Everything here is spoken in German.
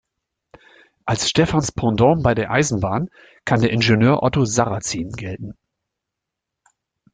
Als Stephans Pendant bei der Eisenbahn kann der Ingenieur Otto Sarrazin gelten.